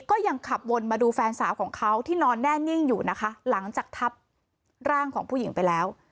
ก็ยังขับวนมาดูแฟนสาวของเขาที่นอนแน่นิ่งอยู่นะคะหลังจากทับร่างของผู้หญิงไปแล้ว